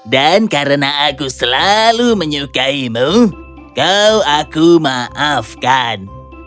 dan karena aku selalu menyukaimu kau aku maafkan